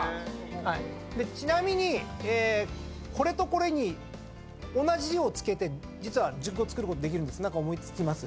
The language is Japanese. ちなみにこれとこれに同じ字を付けて実は熟語作ることできるんです何か思い付きます？